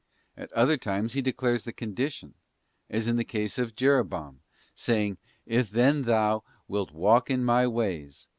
At other times He declares the condition, as in the case of Jeroboam, saying, 'If then thou ... wilt walk in My ways...